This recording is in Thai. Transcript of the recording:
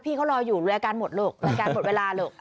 พี่เขารออยู่รายการหมดลูกรายการหมดเวลาลูก